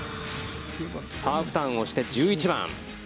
ハーフターンをして１１番。